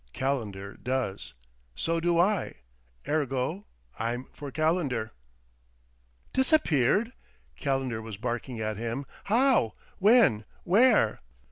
Calendar does. So do I. Ergo: I'm for Calendar." "Disappeared?" Calendar was barking at him. "How? When? Where?"